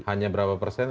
hanya berapa persen